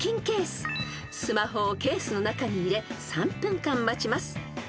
［スマホをケースの中に入れ３分間待ちます］